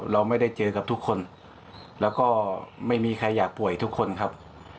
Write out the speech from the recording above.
เราไม่ได้เจอกับทุกคนแล้วก็ไม่มีใครอยากป่วยทุกคนครับ